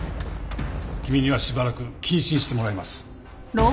君にはしばらく謹慎してもらいます。